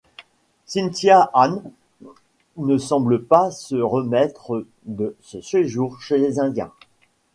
Cynthia-Ann ne semble pas se remettre de ce séjour chez les indiens.